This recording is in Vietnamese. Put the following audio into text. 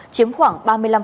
chiếm khoảng ba mươi năm